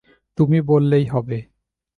তুমি বললেই হবে।